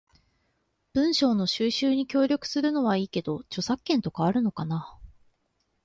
文章の収集に協力するのはいいけど、著作権とかあるのかな？